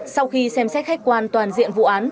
sau khi xem xét khách quan toàn diện vụ án